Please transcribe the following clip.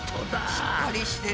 しっかりしてる。